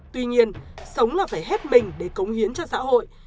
tuy nhiên sống là phải hết mình để cống hiến cho xã hội